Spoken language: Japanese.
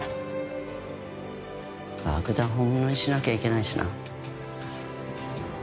爆弾を本物にしなきゃいけないしな。